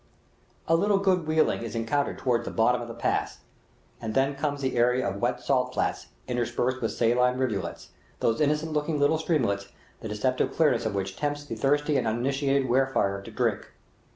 A little good wheeling is encountered toward the bottom of the pass, and then comes an area of wet salt flats, interspersed with saline rivulets those innocent looking little streamlets the deceptive clearness of which tempts the thirsty and uninitiated wayfarer to drink.